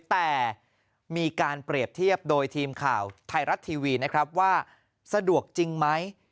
แต่มีการเปรียบเทียบโดยทีมข่าวไทยรัฐทีวีนะครับว่าสะดวกจริงไหม